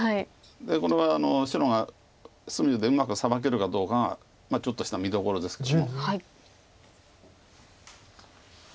これは白が隅でうまくサバけるかどうかがちょっとした見どころですけども。